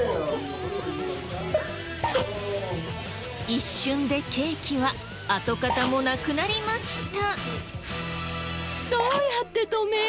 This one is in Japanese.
一瞬でケーキは跡形もなくなりました。